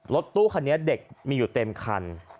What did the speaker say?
รถตู้คันนี้เด็กมีอยู่เต็มคัน